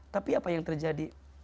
tapi apa yang terjadi